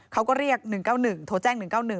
เขาก็เรียก๑๙๑โทรแจ้ง๑๙๑